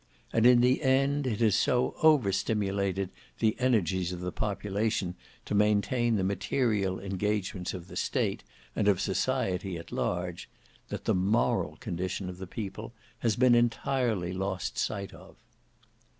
And in the end, it has so overstimulated the energies of the population to maintain the material engagements of the state, and of society at large, that the moral condition of the people has been entirely lost sight of.